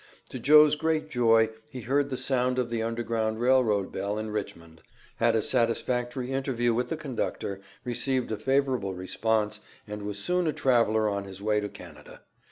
To Joe's great joy he heard the sound of the Underground Rail Road bell in Richmond, had a satisfactory interview with the conductor, received a favorable response, and was soon a traveler on his way to Canada.